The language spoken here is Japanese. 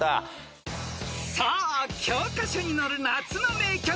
［さあ教科書に載る夏の名曲］